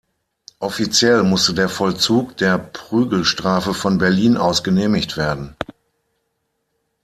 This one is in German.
Offiziell musste der Vollzug der Prügelstrafe von Berlin aus genehmigt werden.